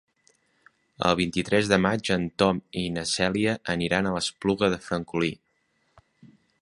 El vint-i-tres de maig en Tom i na Cèlia aniran a l'Espluga de Francolí.